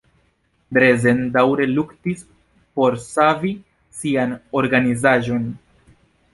Drezen daŭre luktis por savi sian organizaĵon.